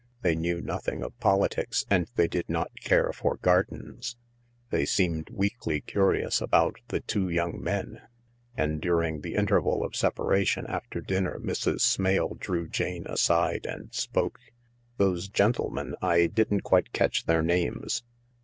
They knew nothing of politics, and they did not care for gardens. They seemed weakly curious about the two young men. And during the interval of separation after dinner Mrs. Smale drew Jane aside and spoke. "Those gentlemen ? I didn't quite catch their names."